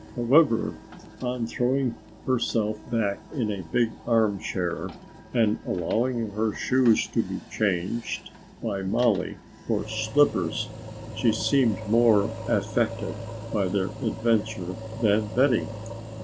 However, on throwing herself back in a big arm chair and allowing her shoes to be changed by Mollie for slippers, she seemed more affected, by their adventure than Betty.